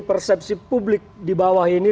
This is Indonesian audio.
persepsi publik di bawah ini